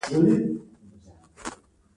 زما د واده په مشاعره کښې يې ما ته